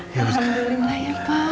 alhamdulillah ya pak